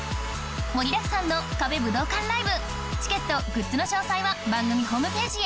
盛りだくさんの『壁』武道館ライブチケットグッズの詳細は番組ホームページへ